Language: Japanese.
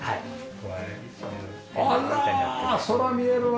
空見えるわ。